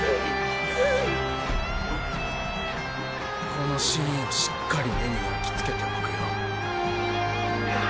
このシーンをしっかり目に焼きつけておくよ。